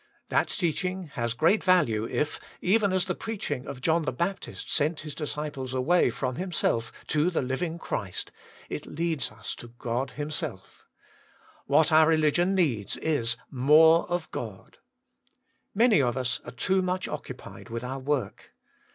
That teaching has great value if, even as the preaching of John the Baptist sent his disciples away from himself to the Living Christ, it leads us to God Himself. WAITING ON GODt X17 What our religion needs is — more of God, Many of us are too much occupied with our work.